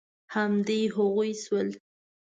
همدې هغوی شول.